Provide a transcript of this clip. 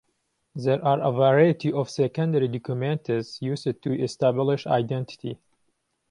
There are a variety of secondary documents used to establish identity.